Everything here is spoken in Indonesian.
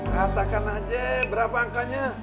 katakan aja berapa angkanya